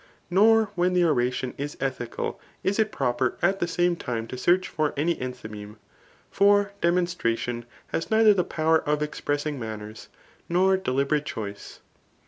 Nor when the oiadon is ethical is it proper at the same time to search &r any enthymeme ; for demonstration, has neither the fCfwer of expressing manners, nor deliberate choice.